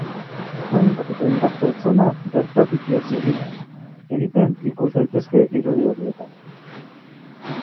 Hainbat eta hainbat pertsona bertatik ihes egiten ikus daitezke irudi horietan.